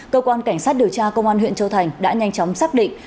cơ quan cảnh sát điều tra công an huyện châu thành đã nhanh chóng xác định